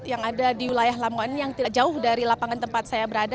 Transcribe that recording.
yang ada di wilayah lamongan ini yang tidak jauh dari lapangan tempat saya berada